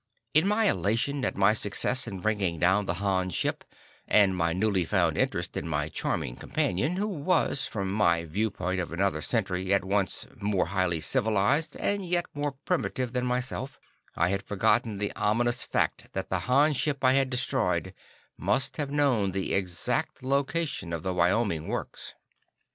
In my elation at my success in bringing down the Han ship, and my newly found interest in my charming companion, who was, from my viewpoint of another century, at once more highly civilized and yet more primitive than myself, I had forgotten the ominous fact that the Han ship I had destroyed must have known the exact location of the Wyoming Works.